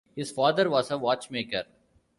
His father was a watchmaker.